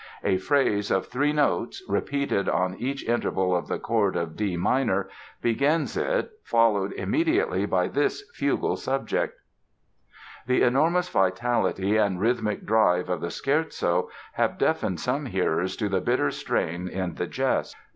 A phrase of three notes, repeated on each interval of the chord of D minor, begins it, followed immediately by this fugal subject: [Illustration: play music] The enormous vitality and rhythmic drive of the Scherzo have deafened some hearers to the bitter strain in the jest.